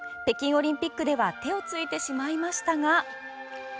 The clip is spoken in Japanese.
北京オリンピックでは手をついてしまいましたが。